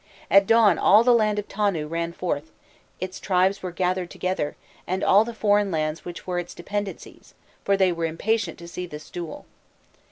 At dawn all the land of Tonu ran forth; its tribes were gathered together, and all the foreign lands which were its dependencies, for they were impatient to see this duel.